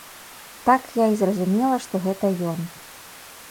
Так я і зразумела, што гэта ён.